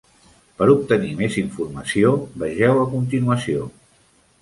Per obtenir més informació, vegeu a continuació.